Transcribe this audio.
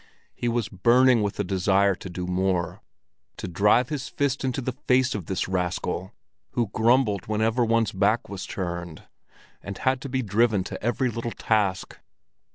He was burning with a desire to do more, to drive his fist into the face of this rascal, who grumbled whenever one's back was turned, and had to be driven to every little task.